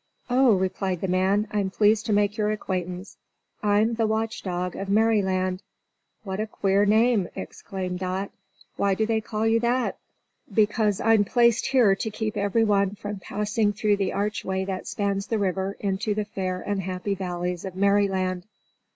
"Oh," replied the man. "I'm pleased to make your acquaintance. I'm the Watch Dog of Merryland." "What a queer name!" exclaimed Dot. "Why do they call you that?" "Because I'm placed here to keep everyone from passing through the archway that spans the river into the fair and happy valleys of Merryland."